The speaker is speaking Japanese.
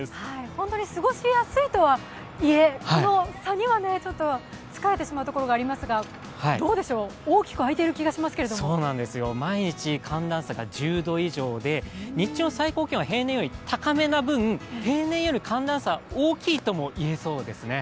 本当に過ごしやすいとはいえこの差には疲れてしまうところがありますがどうでしょう、大きくあいている気がするんですけど、毎日、寒暖差が１０度以上で日中の最高気温が平年より高めな分、平年より寒暖差が大きいともいえそうですね。